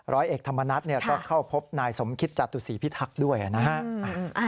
ร้อยเอกธรรมนัฐก็เข้าพบนายสมคิตจตุศรีพิทักษ์ด้วยนะฮะ